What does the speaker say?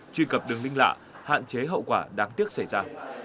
truy cập đường linh lạ hạn chế hậu quả đáng tiếc xảy ra